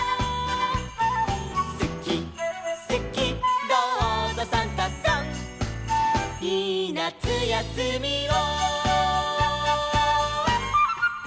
「すきすきどうぞサンタさん」「いいなつやすみを」